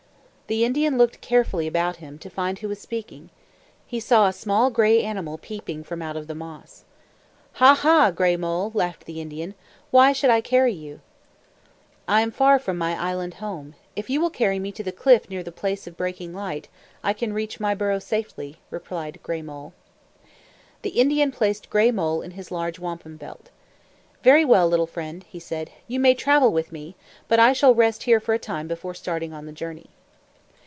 The Indian looked carefully about him, to find who was speaking. He saw a small, gray animal peeping from out of the moss. "Ha, ha, Gray Mole!" laughed the Indian. "Why should I carry you?" "I am far from my island home. If you will carry me to the cliff near the Place of Breaking Light, I can then reach my burrow safely," replied Gray Mole. The Indian placed Gray Mole in his large wampum belt. "Very well, little friend," he said. "You may travel with me, but I shall rest here for a time before starting on the journey."